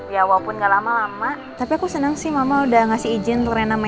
ya walaupun gak lama lama tapi aku senang sih mama udah ijin sama papa